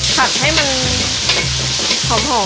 ผัดให้มันหอม